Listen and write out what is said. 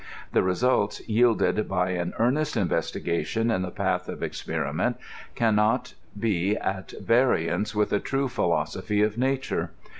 The results yielded by an earn est investigation in the path of experiment can not be at va riance with a true philosophy of nature.